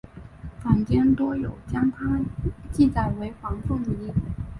坊间多有将她记载为黄凤仪。